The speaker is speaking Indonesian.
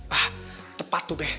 hah tepat tuh be